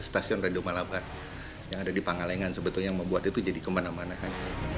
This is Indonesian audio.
stasiun radio malabar yang ada di pangalengan sebetulnya yang membuat itu jadi kemana mana kan